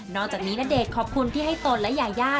จากนี้ณเดชน์ขอบคุณที่ให้ตนและยายา